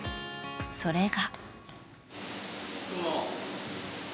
それが。